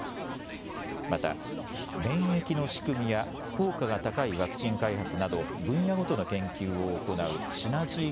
また免疫の仕組みや効果が高いワクチン開発など分野ごとの研究を行うシナジー